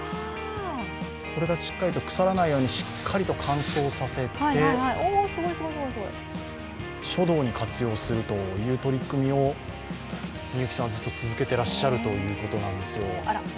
これがしっかりと腐らないように乾燥させて、書道に活用するという取り組みをみゆきさんはずっと続けてらっしゃるということなんです。